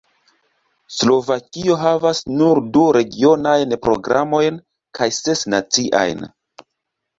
Slovakio havas nur du regionajn programojn kaj ses naciajn.